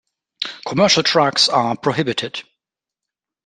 Commercial trucks are prohibited.